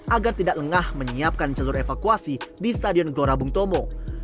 agar tidak lengah menyiapkan jalur evakuasi di stadion glora bung tomo